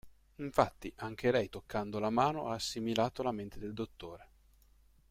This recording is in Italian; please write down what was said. Infatti anche lei toccando la mano ha assimilato la mente del Dottore.